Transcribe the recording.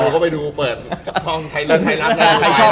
บอกไว้ก่อนนะครับ